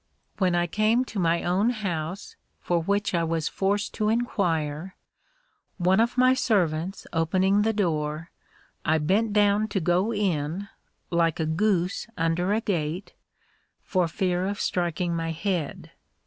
When I came to my own house, for which I was forced to inquire, one of my servants opening the door, I bent down to go in (like a goose under a gate), for fear of striking my head.